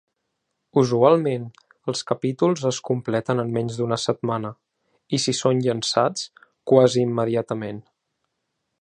Usualment, els capítols es completen en menys d'una setmana, i són llançats quasi immediatament.